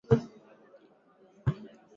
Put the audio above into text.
Usiniache tena kwenye giza.